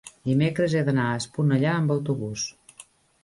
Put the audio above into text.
dimecres he d'anar a Esponellà amb autobús.